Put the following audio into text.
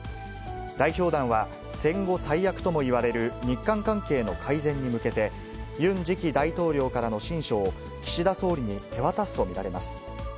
代表団は、戦後最悪ともいわれる日韓関係の改善に向けて、ユン次期大統領からの親書を、岸田総理に手渡すと見られます。